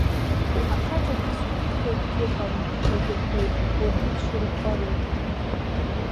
Ахаҵа дызқәымшәо акгьы ыҟам ҳәагьы рҳәоит, уаргьы уҽурӷәӷәароуп!